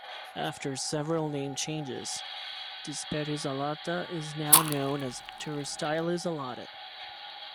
After several name changes, "Disperis alata" is now known as "Pterostylis alata".